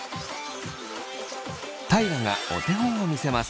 大我がお手本を見せます。